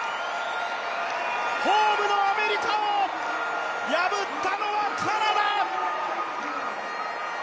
ホームのアメリカを破ったのはカナダ！